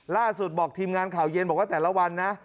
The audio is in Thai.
ล่าสุดบอกทีมงานข่าวเย็นว่าแต่ละวัน